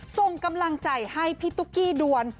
ส่งกำลังใจให้พี่ตุ๊กกี้ด่วน